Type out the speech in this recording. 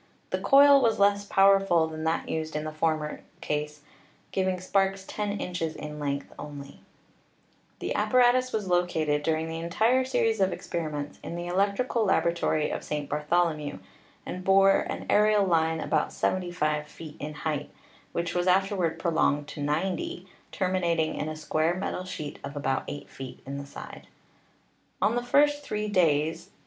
The coil was less powerful than that used in the former case, giving sparks 10 inches in length only. The apparatus was located, during the entire series of Fig 5 2 — Rudimentary Transmitting and Receiving Apparatus* experiments, in the electrical laboratory of St. Bartholo mew, and bore an aerial line about 75 feet in height, which was afterward prolonged to 90, terminating in a square metal sheet of about 8 feet in the side. On the first three days, viz.